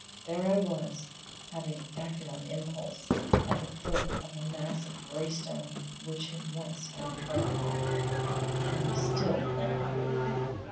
There I was having acted on impulse at the foot of a mass of grey stone which had once been impregnable, and was still formidable!